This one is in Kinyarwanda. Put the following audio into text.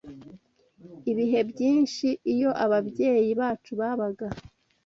Ibihe byinshi, iyo ababyeyi bacu babaga